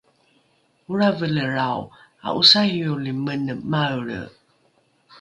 olravelelrao a’osarioli mene maelre